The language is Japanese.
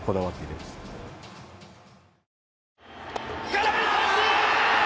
空振り三振！